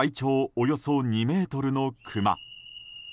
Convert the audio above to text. およそ２ｍのクマ。